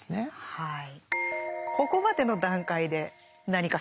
はい。